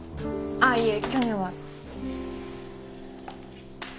あいえ去年は。